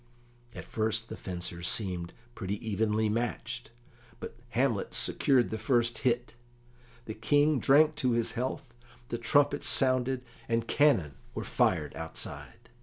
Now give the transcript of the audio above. At first the fencers seemed pretty evenly matched, but Hamlet secured the first hit. The King drank to his health, the trumpets sounded, and cannon were fired outside.